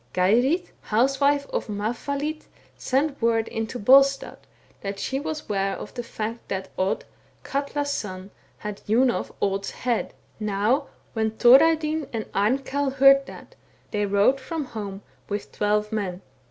— (c. 20.) " Geirrid, housewife in Mafvahli^, sent word into Bolstad, that she was ware of the fact that Odd, Katla's son, had hewn off Aud's hand. *' Now when Thorarinn and Amkell heard that, they rode from home with twelve men.